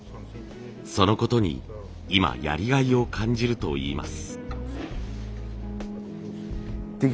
そのことに今やりがいを感じるといいます。